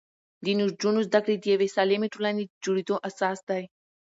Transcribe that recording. د نجونو زده کړې د یوې سالمې ټولنې د جوړېدو اساس دی.